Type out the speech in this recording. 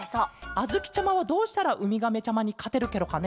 あづきちゃまはどうしたらウミガメちゃまにかてるケロかね？